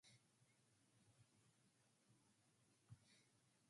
In other words their decision procedures must use more than polynomial space.